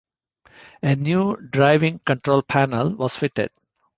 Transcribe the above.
A new driving control panel was fitted.